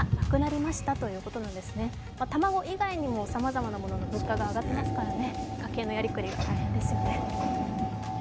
意外にもさまざまなものの物価が上がってますからね、家計のやりくりが大変ですよね。